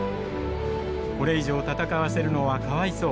「これ以上戦わせるのはかわいそう。